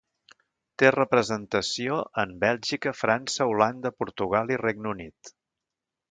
Té representació en Bèlgica, França, Holanda, Portugal i Regne Unit.